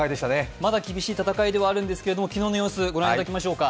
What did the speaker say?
まだ厳しい戦いはあるんですが、昨日の試合御覧いただきましょう。